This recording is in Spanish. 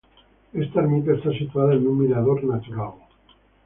Esta ermita está situada en un mirador natural.